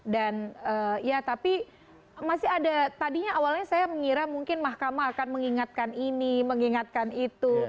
dan ya tapi masih ada tadinya awalnya saya mengira mungkin mahkamah akan mengingatkan ini mengingatkan itu